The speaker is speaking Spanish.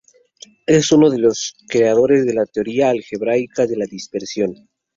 Es uno de los creadores de la teoría algebraica de la dispersión.